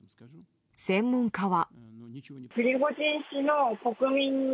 専門家は。